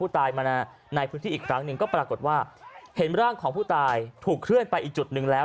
ตายมาในพื้นที่อีกครั้งหนึ่งก็ปรากฏว่าเห็นร่างของผู้ตายถูกเคลื่อนไปอีกจุดหนึ่งแล้ว